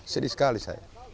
sedih sekali saya